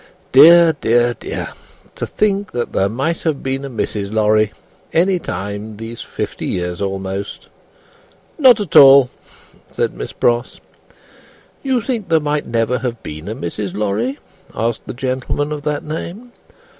Dear, dear, dear! To think that there might have been a Mrs. Lorry, any time these fifty years almost!" "Not at all!" From Miss Pross. "You think there never might have been a Mrs. Lorry?" asked the gentleman of that name.